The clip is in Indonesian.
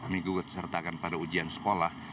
mengikut tersertakan pada ujian sekolah